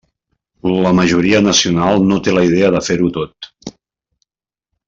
La majoria nacional no té la idea de fer-ho tot.